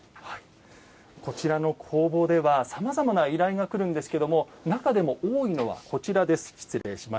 こちらの工房ではさまざまな依頼がくるんですけど中でも多いのがこちら。